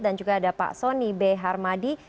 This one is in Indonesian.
dan juga ada pak soni b harmadi